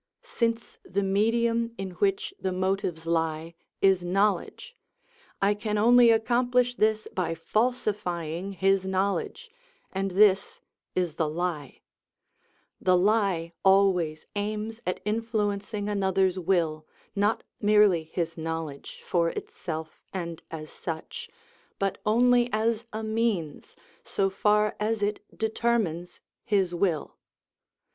Since the medium in which the motives lie is knowledge, I can only accomplish this by falsifying his knowledge, and this is the lie. The lie always aims at influencing another's will, not merely his knowledge, for itself and as such, but only as a means, so far as it determines his will.